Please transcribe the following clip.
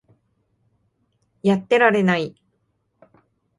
やってられない